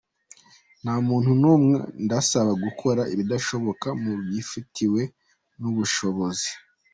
Nta muntu n’umwe ndasaba gukora ibidashoboka, mubifitiye n’ubushobozi.